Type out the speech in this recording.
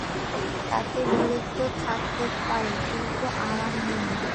তাতে বীরত্ব থাকতে পারে কিন্তু আরাম নেই।